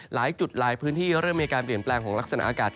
หลายจุดหลายพื้นที่เริ่มมีการเปลี่ยนแปลงของลักษณะอากาศ